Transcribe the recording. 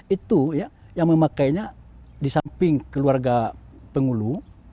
itu ya yang memakainya di samping keluarga penghulu